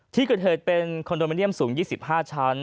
ที่เกิดเทศเป็นสูง๒๕ชั้น